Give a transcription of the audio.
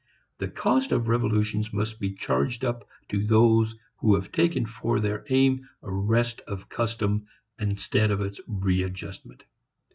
The cost of revolutions must be charged up to those who have taken for their aim arrest of custom instead of its readjustment.